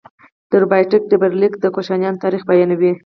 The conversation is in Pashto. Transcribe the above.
د رباتک ډبرلیک د کوشانیانو تاریخ بیانوي